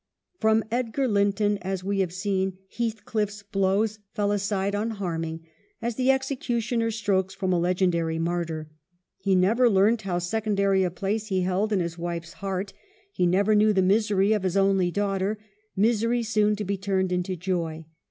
From Edgar Linton, as we have seen, Heathcliffs blows fell aside unharming, as the executioner's strokes from a legendary martyr. He never learnt how sec ondary a place he held in his wife's heart, he never iS 274 EMILY BRONTE. knew the misery of his only daughter — misery soon to be turned into joy.